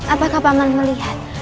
apakah paman melihat